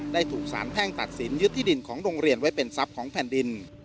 ถูกสารแพ่งตัดสินยึดที่ดินของโรงเรียนไว้เป็นทรัพย์ของแผ่นดิน